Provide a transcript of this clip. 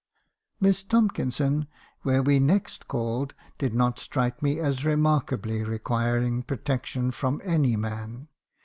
"Miss Tomkinson, where we next called, did no strike me as remarkably requiring protection from any man.